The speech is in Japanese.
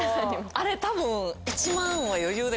あれ多分。